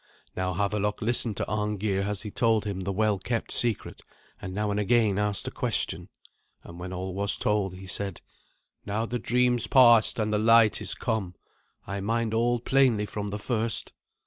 Now Havelok listened to Arngeir as he told him the well kept secret, and now and again asked a question. And when all was told he said, "Now have the dreams passed, and the light is come. I mind all plainly from the first."